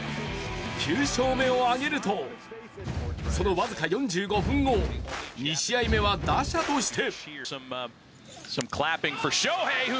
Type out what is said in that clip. ９勝目を挙げると、その僅か４５分後、２試合目は打者として。